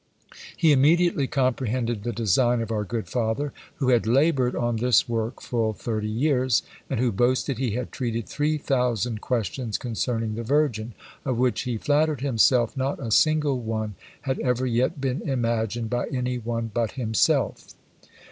He immediately comprehended the design of our good father, who had laboured on this work full thirty years, and who boasted he had treated Three Thousand Questions concerning the Virgin! of which he flattered himself not a single one had ever yet been imagined by any one but himself!